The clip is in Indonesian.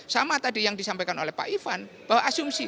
sama tadi yang disampaikan oleh pak ivan bahwa asumsi